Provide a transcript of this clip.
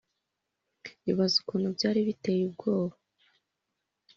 Ibaze ukuntu byari biteye ubwoba